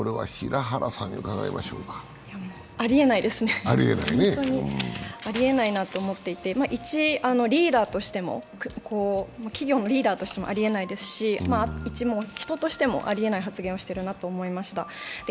もう本当にありえないと思っていて企業のリーダーとしてもありえないですし人としもありえない発言をしてるなと思いました。